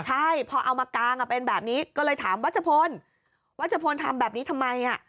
ใช่พอเอามากางเป็นแบบนี้ก็เลยถามวัชพลวัชพลทำแบบนี้ทำไม